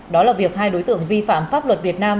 đó là việc hai đối tượng vi phạm pháp luật việt nam